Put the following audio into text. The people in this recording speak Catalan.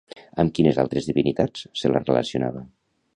Amb quines altres divinitats se la relacionava?